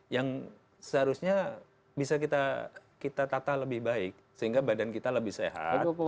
yang seharusnya bisa kita tata lebih baik sehingga badan kita lebih sehat